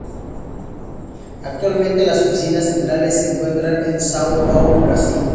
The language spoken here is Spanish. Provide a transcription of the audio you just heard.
Actualmente, las oficinas centrales se encuentran en São Paulo, Brasil.